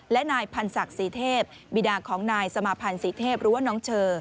และนายพันศักดิ์ศรีเทพบีดาของนายสมาพันธ์ศรีเทพหรือว่าน้องเชอ